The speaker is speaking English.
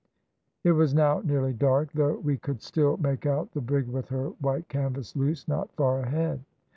It was now nearly dark, though we could still make out the brig with her white canvas loose, not far ahead.